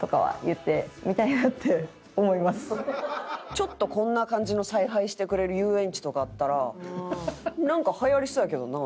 ちょっとこんな感じの采配してくれる遊園地とかあったらなんかはやりそうやけどな。